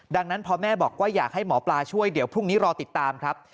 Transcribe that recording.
ดังนั้นพอแม่บอกว่าอยากให้หมอปลาช่วยเดี๋ยวพรุ่งนี้รอติดตามครับ